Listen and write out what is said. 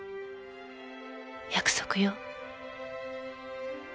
約束よ